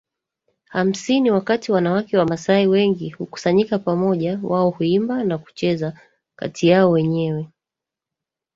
hamsini Wakati wanawake wamasai wengi hukusanyika pamoja wao huimba na kucheza kati yao wenyewe